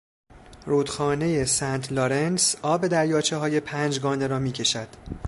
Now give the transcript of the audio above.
رودخانهی سنت لارنس آب دریاچههای پنج گانه را میکشد.